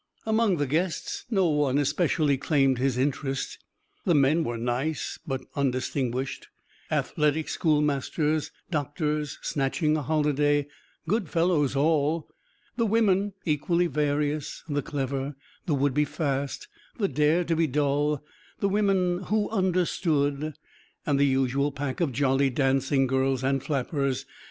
Among the guests no one especially claimed his interest. The men were nice but undistinguished athletic schoolmasters, doctors snatching a holiday, good fellows all; the women, equally various the clever, the would be fast, the dare to be dull, the women "who understood," and the usual pack of jolly dancing girls and "flappers."